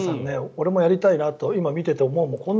俺もやりたいなと今、見ていて思うもん。